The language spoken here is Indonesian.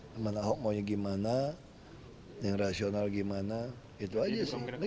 teman ahok maunya gimana yang rasional gimana itu aja sih